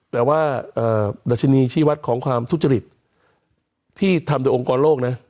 แต่ว่าดัชนีชีวัตรของความทุจริตที่ทำโดยองค์กรโลกนะ